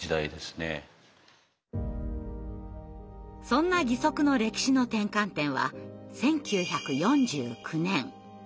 そんな義足の歴史の転換点は１９４９年。